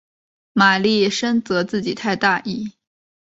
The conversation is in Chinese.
玛丽深责自己太大意。